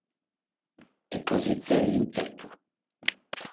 Eǩazit̆eri imt̆ert̆u.